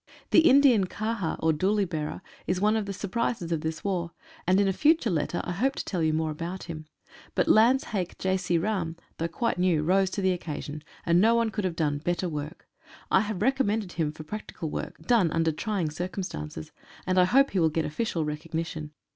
The Indian kahar, or dooly bearer, is one of the surprises of this war, and in a future letter I hope to tell you more about him. But lance haik Jaisi Ram, though quite new, rose to the occasion, and no one could have done better work. I have recommended him for practical work, done under trying circumstances, and I hope he will get official recognition.